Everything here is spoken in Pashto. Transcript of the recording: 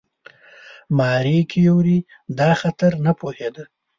ماري کیوري دا خطر نه پوهېده.